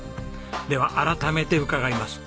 では改めて伺います。